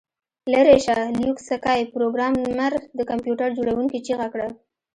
لیرې شه لیوک سکای پروګرامر د کمپیوټر جوړونکي چیغه کړه